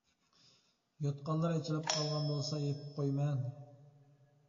يوتقانلىرى ئېچىلىپ قالغان بولسا يېپىپ قويىمەن.